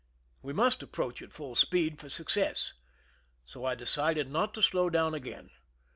We must approach at full speed for success. So I decided not to slow down again.